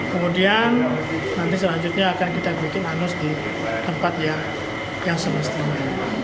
kemudian nanti selanjutnya akan kita butuh anus di tempat yang semestinya